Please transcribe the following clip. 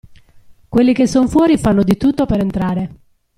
Quelli che son fuori, fanno di tutto per entrare.